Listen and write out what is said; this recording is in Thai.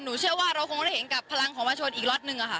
หนูเชื่อว่าเราคงได้กับพลังของประชาชนอีกรอดนึงอะค่ะ